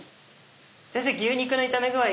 先生牛肉の炒め具合